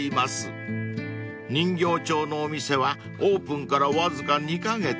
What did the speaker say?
［人形町のお店はオープンからわずか２カ月］